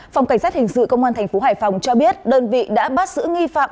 phòng cảnh sát hình sự công an tp hải phòng cho biết đơn vị đã bắt sử nghi phạm